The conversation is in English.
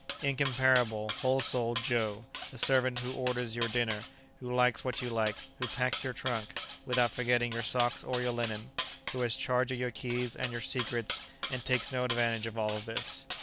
Incomparable, whole souled Joe! a servant who orders your dinner; who likes what you like; who packs your trunk, without forgetting your socks or your linen; who has charge of your keys and your secrets, and takes no advantage of all this!